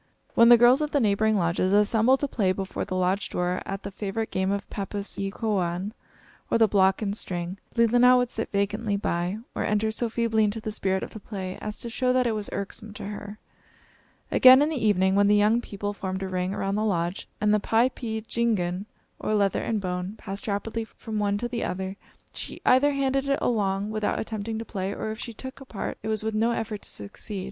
When the girls of the neighboring lodges assembled to play before the lodge door at the favorite game of pappus e kowaun, or the block and string, Leelinan would sit vacantly by, or enter so feebly into the spirit of the play as to show that it was irksome to her. Again, in the evening, when the young people formed a ring around the lodge, and the piepeendjigun, or leather and bone, passed rapidly from one to the other, she either handed it along without attempting to play, or if she took a part, it was with no effort to succeed.